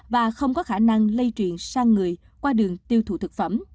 và không có khả năng lây truyền sang người qua đường tiêu thụ thực phẩm